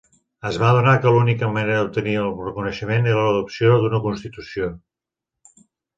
Es va adonar que l'única manera d'obtenir el reconeixement era l'adopció d'una constitució.